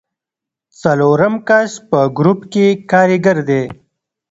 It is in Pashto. څلورم کس په ګروپ کې کاریګر دی.